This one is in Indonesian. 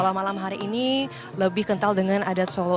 kalau malam hari ini lebih kental dengan adat solo